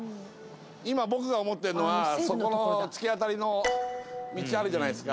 今僕が思ってるのはそこの突き当たりの道あるじゃないですか。